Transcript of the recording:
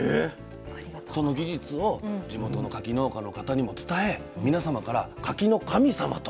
その技術を地元の柿農家の方にも伝え皆様から柿の神様と。